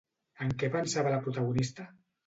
En què pensava la protagonista?